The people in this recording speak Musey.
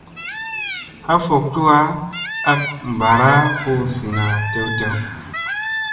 Ha fok tuwa ak ɓaara hu zina tew tew.